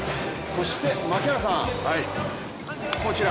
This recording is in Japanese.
そして槙原さん、こちら。